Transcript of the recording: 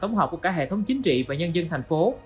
tổng hợp của cả hệ thống chính trị và nhân dân thành phố